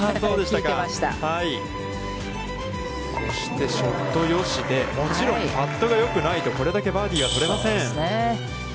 そしてショットよしで、もちろんパットがよくないと、これだけバーディーが取れません。